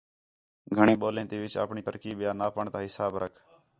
گھݨیں ٻولیں تے وِچ آپݨی ترقی ٻیا ناپݨ تا حساب رکھ۔